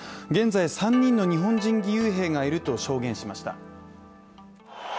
現在３人の日本人義勇兵がいると証言しました。